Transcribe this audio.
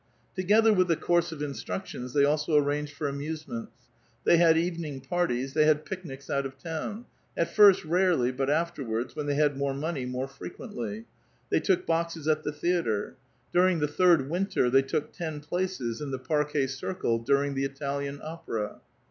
Together with tlie course of instructions, they also ar ranj^ed for annisenients. They had evening parties ; thej had picnics out of town, — at first rarely, but afterwards, when they had more money, more frequently ; they toofe boxes at the theatre. During the third winter they took tec places in the parquet circle during the Italian opera.